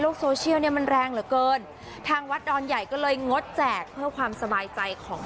โซเชียลเนี่ยมันแรงเหลือเกินทางวัดดอนใหญ่ก็เลยงดแจกเพื่อความสบายใจของ